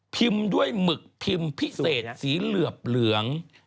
พิมพ์ด้วยหมึกพิมพ์พิเศษสีเหลือบเหลือง